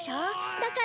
だから。